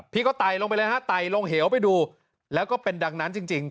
พี่ก็ไต่ลงไปเลยฮะไต่ลงเหวไปดูแล้วก็เป็นดังนั้นจริง